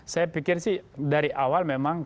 saya pikir sih dari awal memang